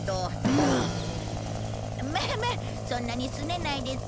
まあまあそんなにすねないでさ。